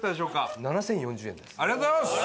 ありがとうございます！